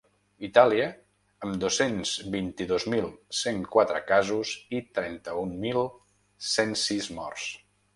Itàlia, amb dos-cents vint-i-dos mil cent quatre casos i trenta-un mil cent sis morts.